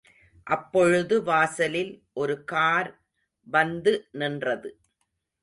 அப்பொழுது வாசலில் ஒரு கார் வந்து நின்றது.